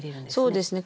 そうですね。